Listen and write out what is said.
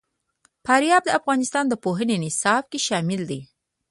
فاریاب د افغانستان د پوهنې نصاب کې شامل دي.